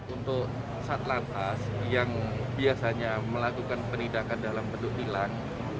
untuk satulan tas yang biasanya melakukan penindakan dalam bentuk hilang